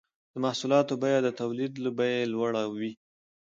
د محصولاتو بیه د تولید له بیې لوړه وي